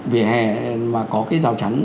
vỉa hè mà có cái rào chắn